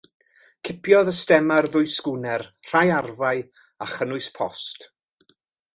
Cipiodd y stemar ddwy sgwner, rhai arfau a chynnwys post.